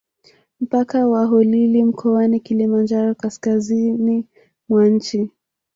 Mpaka wa Holili mkoani Kilimanjaro kaskazizini mwa nchi